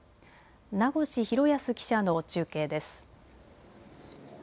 名越大耕記者の中継です。